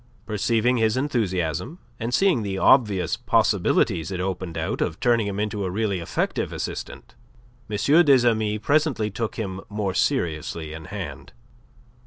Perceiving his enthusiasm, and seeing the obvious possibilities it opened out of turning him into a really effective assistant, M. des Amis presently took him more seriously in hand.